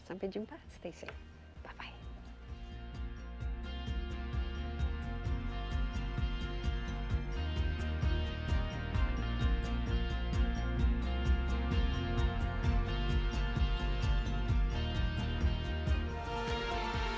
sampai jumpa stay safe bye bye